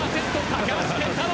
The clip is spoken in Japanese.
高橋健太郎。